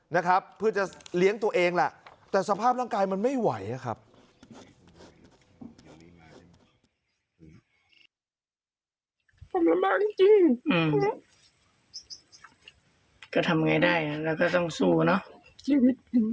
นะครับเพื่อจะเลี้ยงตัวเองแหละแต่สภาพร่างกายมันไม่ไหวอะครับ